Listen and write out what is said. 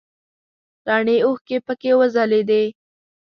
رڼې اوښکې پکې وځلیدې.